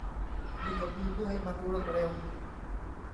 นี่เขามีเพื่อให้มันรวดเร็ว